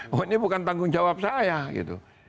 bahwa ini bukan tanggung jawab saya gitu